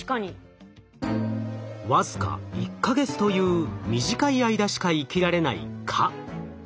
僅か１か月という短い間しか生きられない蚊。